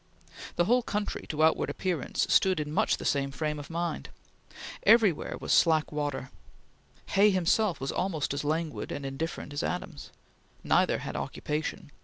The whole country, to outward appearance, stood in much the same frame of mind. Everywhere was slack water. Hay himself was almost as languid and indifferent as Adams. Neither had occupation.